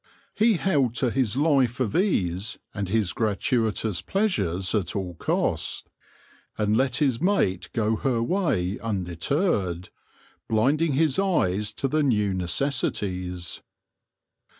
He held to his life of ease and his gratuitous pleasures at all cost, and let his mate go her way undeterred, blinding his eyes to the new necessities.